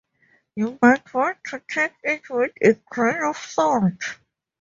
You might want to take it with a grain of salt.